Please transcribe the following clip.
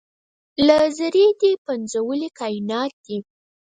له ذرې دې پنځولي کاینات دي